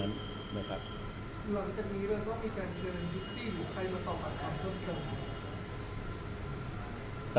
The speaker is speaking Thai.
อย่างเกินที่อยู่ใดมาตอบกัดคำเพิ่มเตรียม